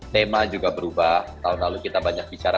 tema juga berubah tahun lalu kita banyak bicara